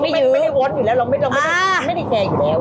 ไม่ได้วอนอยู่แล้วเราไม่ได้แชร์อยู่แล้ว